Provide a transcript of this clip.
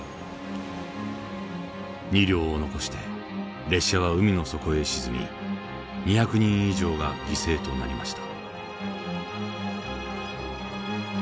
２両を残して列車は海の底へ沈み２００人以上が犠牲となりました。